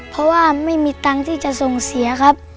เพราะว่าไม่มีตังค์ที่จะส่งเสียครับ